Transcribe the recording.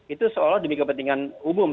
itu seolah demi kepentingan umum